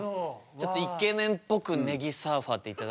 ちょっとイケメンっぽくねぎサーファーって頂けますか？